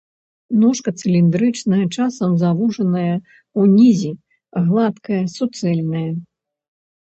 Ножка цыліндрычная, часам завужаная ўнізе, гладкая, суцэльная.